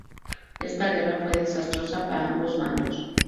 Esta guerra fue desastrosa para ambos bandos.